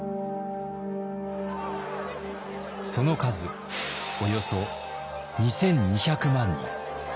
その数およそ２，２００万人。